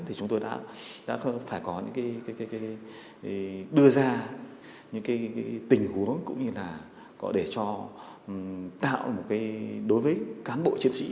thì chúng tôi đã phải có những cái đưa ra những cái tình huống cũng như là có để cho tạo một cái đối với cán bộ chiến sĩ